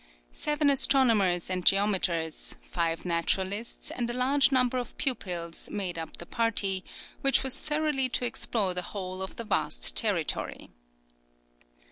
Seven astronomers and geometers, five naturalists, and a large number of pupils, made up the party, which was thoroughly to explore the whole of the vast territory.